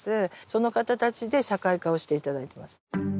その方たちで社会化をしていただいてます。